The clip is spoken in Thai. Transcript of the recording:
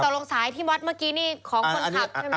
ลงสายที่วัดเมื่อกี้นี่ของคนขับใช่ไหม